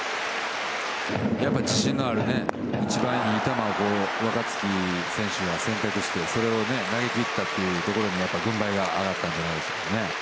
やっぱり自信のある一番いい球を若月選手が選択して、それを投げ切ったというところに軍配が上がったんじゃないでしょうか。